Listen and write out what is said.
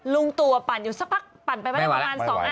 ลุงตูอะปั่นอยู่สักพักปั่นไปประมาณสองอัน